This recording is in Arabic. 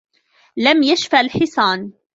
لم يشفى الحصان.